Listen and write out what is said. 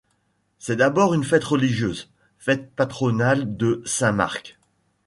C'est d'abord une fête religieuse, fête patronale de Saint-Marc.